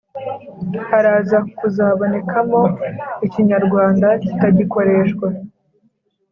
haraza kuzabonekamo ikinyarwanda kitagikoreshwa